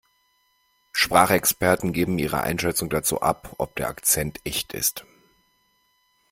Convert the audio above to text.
Sprachexperten geben ihre Einschätzung dazu ab, ob der Akzent echt ist.